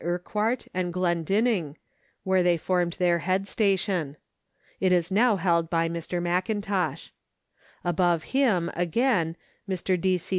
Urquhart and Glen dinning, where they formed their head station. It is now held by Mr. Mackintosh. Above him, again, Mr. D. C.